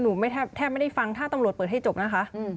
แทบไม่ได้ฟังถ้าตำรวจเปิดให้จบนะคะ